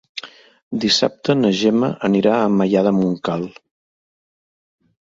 Dissabte na Gemma anirà a Maià de Montcal.